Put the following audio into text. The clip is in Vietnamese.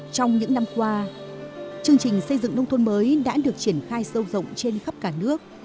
trong những năm qua chương trình xây dựng nông thôn mới đã được triển khai sâu rộng trên khắp cả nước